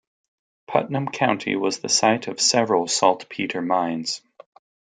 Putnam County was the site of several saltpeter mines.